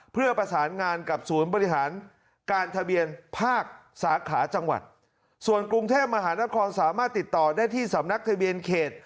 เพื่อประสานงานกับศูนย์บริหารการทะเบียนภาคสาขาจังหวัดส่วนกรุงเทพมหานครสามารถติดต่อได้ที่สำนักทะเบียนเขต